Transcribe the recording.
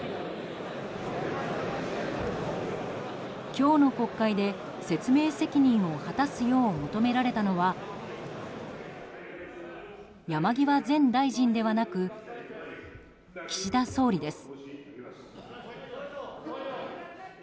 今日の国会で説明責任を果たすよう求められたのは山際前大臣ではなく岸田総理です。